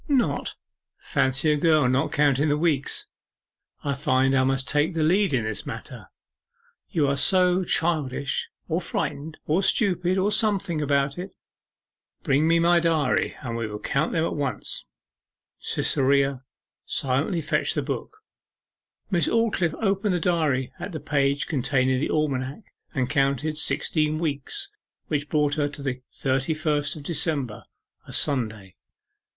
'Not? Fancy a girl not counting the weeks! I find I must take the lead in this matter you are so childish, or frightened, or stupid, or something, about it. Bring me my diary, and we will count them at once.' Cytherea silently fetched the book. Miss Aldclyffe opened the diary at the page containing the almanac, and counted sixteen weeks, which brought her to the thirty first of December a Sunday.